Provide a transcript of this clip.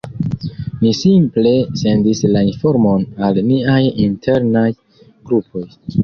Ni simple sendis la informon al niaj "internaj" grupoj.